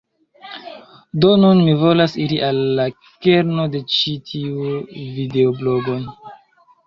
Do nun, mi volas iri al la kerno de ĉi tiu videoblogon.